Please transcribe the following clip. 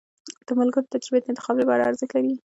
د ملګرو تجربې د انتخاب لپاره ارزښت لري.